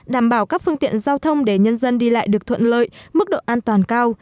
đảm bảo các phương tiện giao thông để nhân dân đi lại được thuận lợi mức độ an toàn cao